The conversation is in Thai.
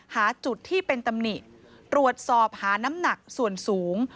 หาจุดที่เป็นตำหนิตรวจสอบหาน้ำหนักส่วนสูง